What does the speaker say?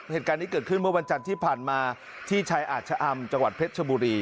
เหตุการณ์นี้เกิดขึ้นเมื่อวันจันทร์ที่ผ่านมาที่ชายอาจชะอำจังหวัดเพชรชบุรี